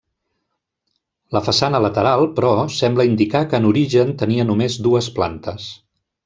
La façana lateral, però, sembla indicar que en origen tenia només dues plantes.